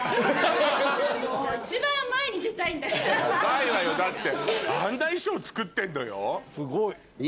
ヤバいわよだって。